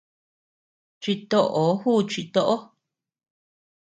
Chitoó juuchi toʼo.